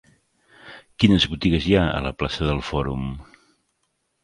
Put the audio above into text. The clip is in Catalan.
Quines botigues hi ha a la plaça del Fòrum?